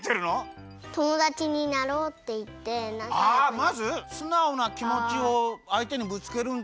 まずすなおなきもちをあいてにぶつけるんだ。